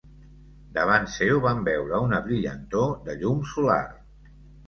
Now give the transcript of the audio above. Davant seu van veure una brillantor de llum solar.